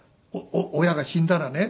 親が死んだらね